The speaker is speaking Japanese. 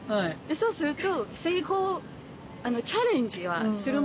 そうすると。